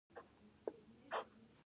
ایا زما درملنه په دې روغتون کې کیږي؟